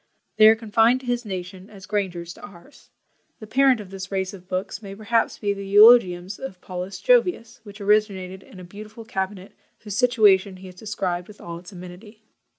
They are confined to his nation, as Granger's to ours. The parent of this race of books may perhaps be the Eulogiums of Paulus Jovius, which originated in a beautiful CABINET, whose situation he has described with all its amenity.